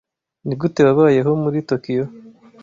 Nigute wabayeho muri Tokiyo?